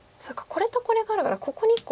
これとこれがあるからここに１個空間が。